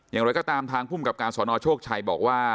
อย่างไรก็ตามทางภูมิกับการสนโชคชัยบอกว่า